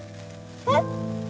えっ？